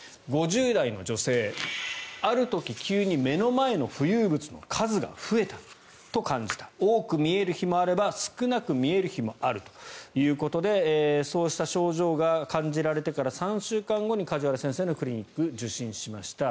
５０代の女性ある時、急に目の前の浮遊物の数が増えたと感じた多く見える日もあれば少なく見える日もあるということでそうした症状が感じられてから３週間後に梶原先生のクリニックを受診しました。